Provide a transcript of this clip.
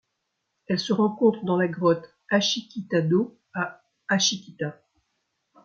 Elle se rencontre dans la grotte Ashikita-do à Ashikita.